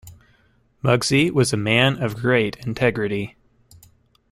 Muggsy was a man of great integrity.